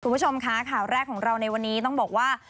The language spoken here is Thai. คุณผู้ชมคะข่าวแรกของเราในวันนี้ต้องบอกว่า